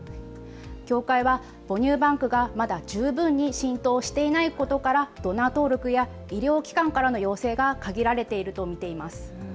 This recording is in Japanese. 協会は母乳バンクがまだ十分に浸透していないことからドナー登録や医療機関からの要請が限られていると見ています。